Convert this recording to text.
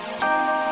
aku terlalu berharga